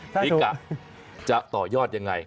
ริกะจะต่อยอดอย่างไร